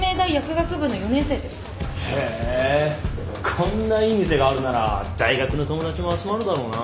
こんないい店があるなら大学の友達も集まるだろうな。